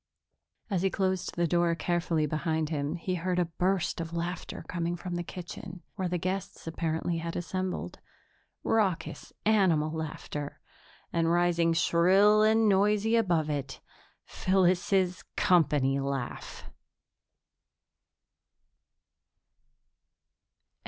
As he closed the door carefully behind him, he heard a burst of laughter coming from the kitchen, where the guests apparently had assembled raucous animal laughter and, rising shrill and noisy above it, Phyllis's company laugh.